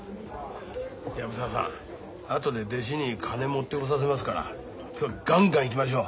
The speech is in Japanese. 藪沢さん後で弟子に金持ってこさせますから今日はガンガンいきましょう。